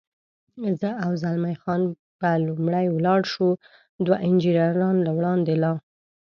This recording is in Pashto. زه او زلمی خان به لومړی ولاړ شو، دوه انجنیران له وړاندې لا.